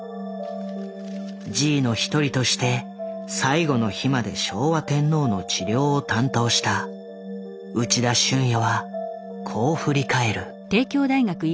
侍医の一人として最後の日まで昭和天皇の治療を担当した内田俊也はこう振り返る。